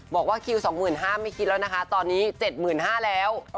บอกว่าคิวสองหมื่นห้าไม่คิดแล้วนะคะตอนนี้เจ็ดหมื่นห้าแล้ว